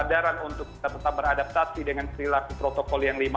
kemudian juga kesadaran untuk kita tetap beradaptasi dengan perilaku protokol yang lima m